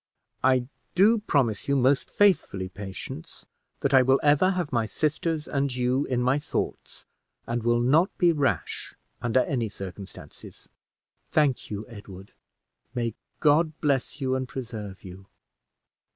"I do promise you, most faithfully, Patience, that I will ever have my sisters and you in my thoughts, and will not be rash under any circumstances." "Thank you, Edward; may God bless you and preserve you!"